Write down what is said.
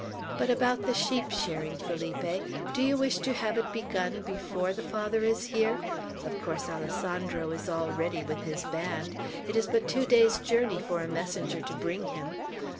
But about the sheep shearing, Felipe. Do you wish to have it begun before the Father is here? Of course, Alessandro is all ready with his band. It is but two days' journey for a messenger to bring him.